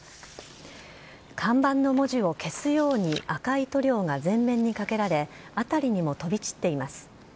看板の文字を消すように赤い塗料が前面にかけられ、辺りにも飛び散っています。